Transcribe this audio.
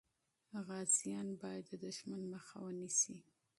غازیان باید د دښمن مخه ونیسي.